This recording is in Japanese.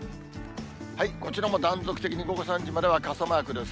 こちらも断続的に午後３時までは傘マークです。